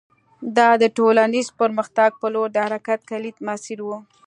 دا د ټولنیز پرمختګ په لور د حرکت کلیدي مسیر و